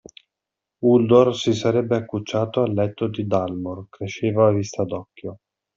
Uldor si sarebbe accucciato al letto di Dalmor: cresceva a vista d’occhio.